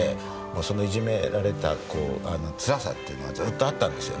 そのいじめられたつらさっていうのはずっとあったんですよね。